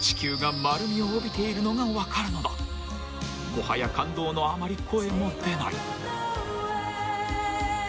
［もはや感動のあまり声も出ない］